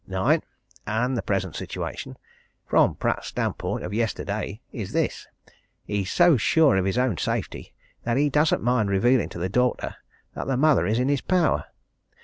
"9. And the present situation from Pratt's standpoint of yesterday is this. He's so sure of his own safety that he doesn't mind revealing to the daughter that the mother's in his power.